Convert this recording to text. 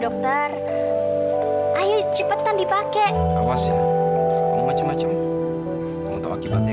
kita udah sampai dokter